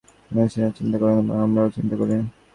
মনীষীরা চিন্তা করেন এবং আমরাও চিন্তা করি।